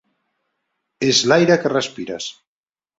És l'aire que respires.